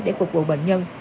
để phục vụ bệnh nhân